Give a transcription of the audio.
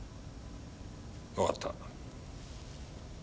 わかった。